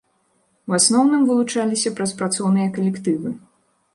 У асноўным вылучаліся праз працоўныя калектывы.